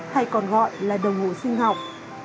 hay còn gọi là đồng hồ sinh học